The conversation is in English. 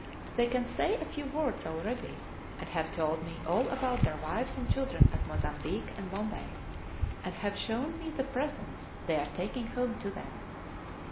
They can say a few words already, and have told me all about their wives and children at Mozambique and Bombay, and have shown me the presents they are taking home to them.